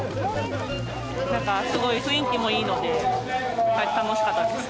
なんかすごい雰囲気もいいので楽しかったです。